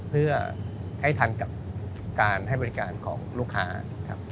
เพื่อให้ทันกับการให้บริการของลูกค้าครับ